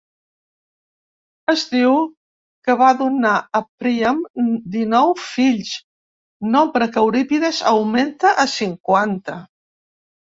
Es diu que va donar a Príam dinou fills, nombre que Eurípides augmenta a cinquanta.